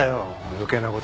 余計なことして。